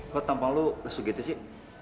kok tampang lo lesu gitu sih